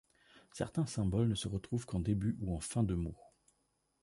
Certains symboles ne se retrouvent qu’en début ou en fin de mot.